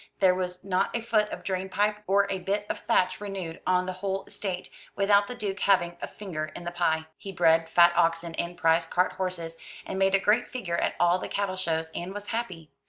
There was not a foot of drain pipe or a bit of thatch renewed on the whole estate, without the Duke having a finger in the pie. He bred fat oxen and prize cart horses, and made a great figure at all the cattle shows, and was happy.